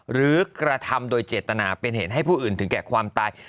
หรือกระทำโดยเจตนาเป็นเหตุให้ผู้อื่นถึงแก่ความตาย